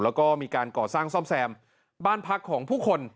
แล้วก็มีการก่อสร้างซ่อมแซมบ้านพักของผู้คน